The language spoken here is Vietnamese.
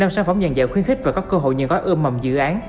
năm sản phẩm dàn dạo khuyến khích và có cơ hội nhận gói ưm mầm dự án